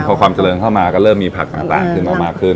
พอความเจริญเข้ามาก็เริ่มมีผักต่างขึ้นมามากขึ้น